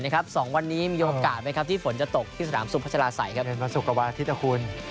ในช่วงวันวันศุกร์กับวันอาทิตย์